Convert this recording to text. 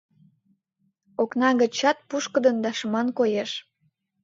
Окна гычат пушкыдын да шыман коеш.